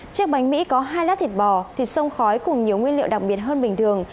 chiếc bánh mỹ có hai lá thịt bò thịt sông khói cùng nhiều nguyên liệu đặc biệt hơn bình thường